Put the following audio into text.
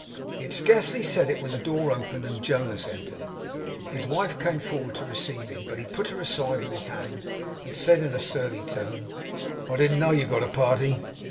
He had scarcely said it when the door opened, and Jonas entered. His wife came forward to receive him; but he put her aside with his hand, and said in a surly tone: 'I didn't know you'd got a party.